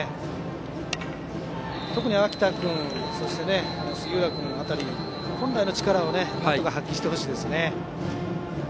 特に秋田君そして杉浦君辺りが本来の力を発揮して欲しいですね。